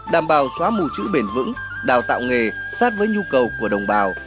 đảm bảo xóa mù chữ bền vững đào tạo nghề sát với nhu cầu của đồng bào